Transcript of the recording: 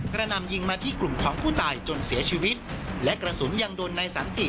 นำยิงมาที่กลุ่มของผู้ตายจนเสียชีวิตและกระสุนยังโดนนายสันติ